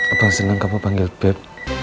apa seneng kamu panggil beb